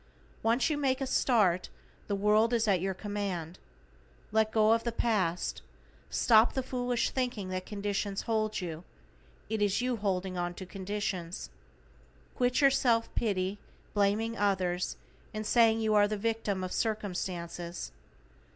Once you make a start, the world is at your command. Let go of the past. Stop the foolish thinking that conditions hold you, it is you holding onto conditions. Quit your self pity, blaming others, and saying you are the victim of circumstances.